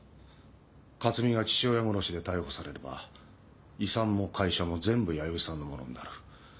克巳が父親殺しで逮捕されれば遺産も会社も全部弥生さんのものになる。